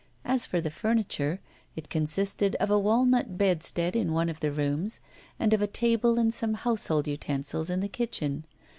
As for the furniture, it consisted of a walnut bedstead in one of the rooms, and of a table and some household utensils in the kitchen.